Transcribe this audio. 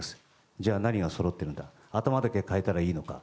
じゃあ何がそろってるんだ頭だけ代えたらいいのか。